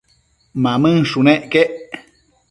Mamënshunec quec